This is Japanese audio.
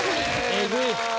エグい。